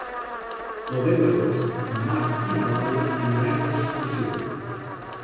El deu d'agost en Marc i na Laura aniran d'excursió.